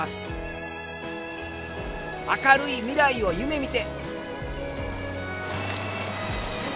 明るい未来を夢見て。